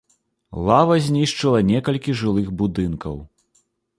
Лава знішчыла некалькі жылых будынкаў.